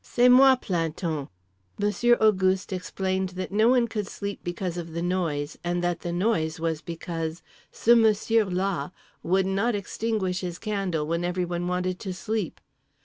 "C'est moi, plan ton!" Monsieur Auguste explained that no one could sleep because of the noise, and that the noise was because "ce monsieur là" would not extinguish his candle when everyone wanted to sleep.